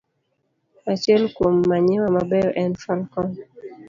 Achiel kuom manyiwa mabeyo en Falcon